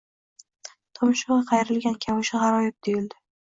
tumshugʼi qayrilgan kavushi gʼaroyib tuyuldi.